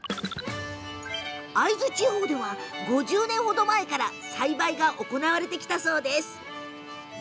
会津地方では５０年ほど前から栽培が行われてきたそうです。